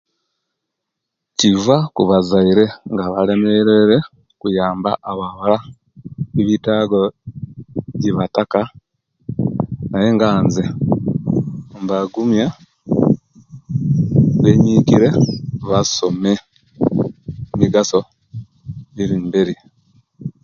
Kyiva kubazaire nga balemerwerwe okuyamba abawala ne'byetago ejibattaka naye nga nze mbagumiya benyinkire basome emigaso jiri mberi.